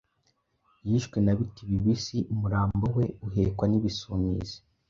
yishwe na Bitibibisi, umurambo we uhekwa n’Ibisumizi,